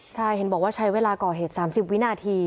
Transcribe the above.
ใช่เห็นบอกว่าใช้เวลาก่อเหตุ๓๐วินาที